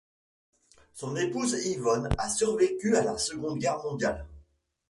Son épouse Yvonne a survécu à la Seconde Guerre mondiale.